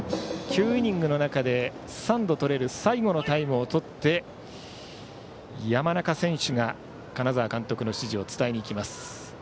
９イニングの中で３度取れる最後のタイムをとって山中選手が金沢監督の指示を伝えに行きます。